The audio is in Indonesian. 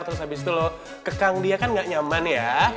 terus habis itu loh kekang dia kan gak nyaman ya